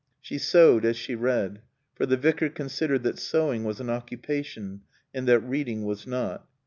She sewed as she read. For the Vicar considered that sewing was an occupation and that reading was not.